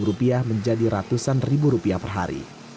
rp lima puluh menjadi ratusan ribu rupiah per hari